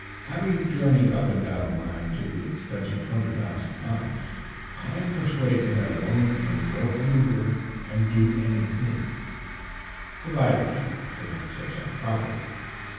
Having journeyed up and down the land to the extent of twenty thousand miles, I am persuaded that a woman can go anywhere and do anything, provided she conducts herself properly.